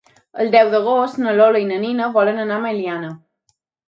El deu d'agost na Lola i na Nina volen anar a Meliana.